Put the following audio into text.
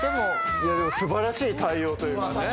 素晴らしい対応というかね。